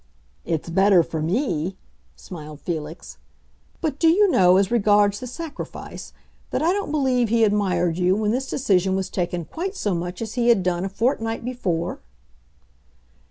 "It's better for me," smiled Felix. "But do you know, as regards the sacrifice, that I don't believe he admired you when this decision was taken quite so much as he had done a fortnight before?"